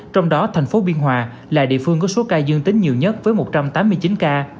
trong đó thành phố biên hòa là địa phương có số ca dương tính nhiều nhất với một trăm tám mươi chín ca